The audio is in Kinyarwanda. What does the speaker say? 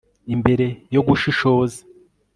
Imbere yo gushishoza